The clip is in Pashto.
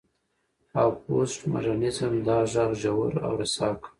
او پوسټ ماډرنيزم دا غږ ژور او رسا کړ.